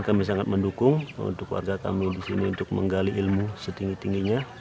kami sangat mendukung untuk warga kami di sini untuk menggali ilmu setinggi tingginya